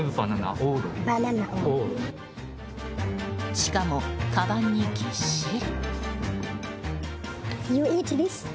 しかも、かばんにぎっしり！